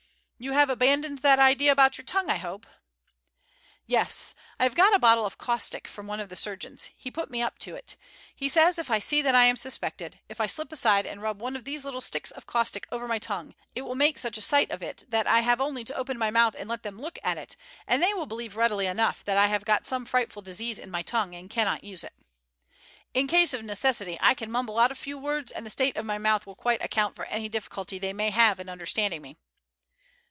You have abandoned that idea about your tongue, I hope?" "Yes. I have got a bottle of caustic from one of the surgeons. He put me up to it. He says if I see that I am suspected, if I slip aside and rub one of these little sticks of caustic over my tongue it will make such a sight of it that I have only to open my mouth and let them look at it, and they will believe readily enough that I have got some frightful disease in my tongue and cannot use it. In case of necessity I can mumble out a few words, and the state of my mouth will quite account for any difficulty they may have in understanding me."